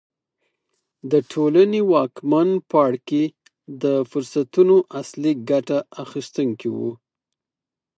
د ټولنې واکمن پاړکي د فرصتونو اصلي ګټه اخیستونکي وو.